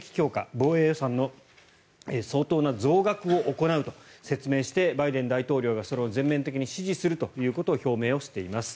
防衛予算の相当な増額を行うと説明してバイデン大統領がそれを全面的に支持するということを表明をしています。